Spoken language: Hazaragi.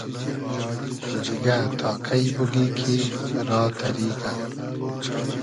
دیگۂ تا کݷ بوگی کی را تئریگۂ